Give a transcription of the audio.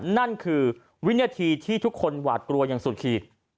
นั่นคือวินาทีที่ทุกคนหวาดกลัวอย่างสุดขีด